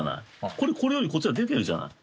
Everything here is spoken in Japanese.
これこれよりこっちが出てるじゃない。